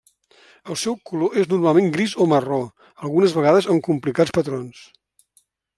El seu color és normalment gris o marró, algunes vegades amb complicats patrons.